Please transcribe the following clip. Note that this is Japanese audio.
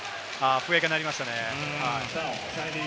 笛が鳴りましたね。